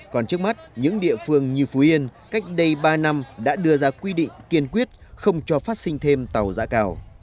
còn trước mắt những địa phương như phú yên cách đây ba năm đã đưa ra quy định kiên quyết không cho phát sinh thêm tàu giã cào